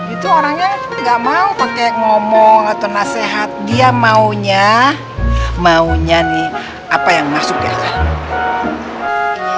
itu orangnya gak mau pakai ngomong atau nasihat dia maunya maunya nih apa yang masuk ya